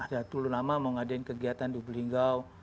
ada tulunama mengadain kegiatan di lubuk tinggal